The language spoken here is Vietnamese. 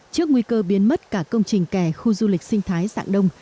trước nguy cơ biến mất cả công trình kẻ khu du lịch sinh thái sạng đông